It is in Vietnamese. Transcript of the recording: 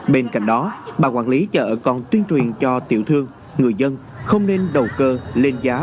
bên cạnh đó bà quản lý chợ còn tuyên truyền cho tiểu thương người dân không nên đầu cơ lên giá